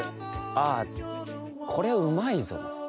あぁこれうまいぞ。